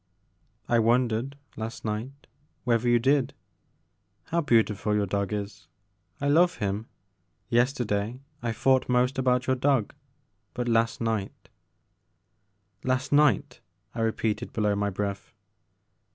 I wondered, last night, whether you did. How beautiful your dog is ; I love him. Yester day I thought most about your dog but last night 'Last night," I repeated below my breath.